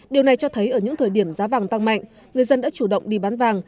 điều này cho thấy ở những thời điểm giá vàng tăng mạnh người dân đã chủ động đi bán vàng